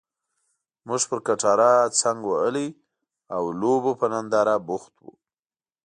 موږ پر کټاره څنګ وهلي او لوبو په ننداره بوخت وو.